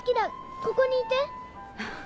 ここにいて。